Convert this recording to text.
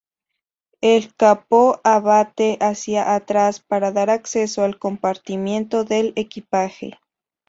El capó abate hacia atrás para dar acceso al compartimento del equipaje.